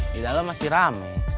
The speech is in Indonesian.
di dalam masih rame